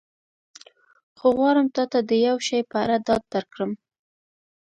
خو غواړم تا ته د یو شي په اړه ډاډ درکړم.